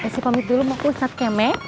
esi pamit dulu mau ke pusat kemet